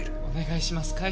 お願いします。